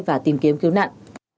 và tìm kiếm cứu nạn